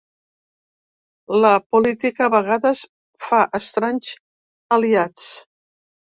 La política a vegades fa estranys aliats.